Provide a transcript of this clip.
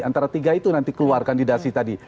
antara tiga itu nanti keluar kandidasi tadi